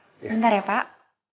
sebentar ya pak